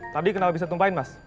tadi kenapa bisa tumpahin mas